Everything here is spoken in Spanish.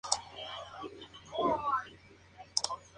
Actualmente juega en Preferente Autonómica del Grupo I Norte.